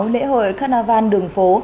lễ hội carnival đường phố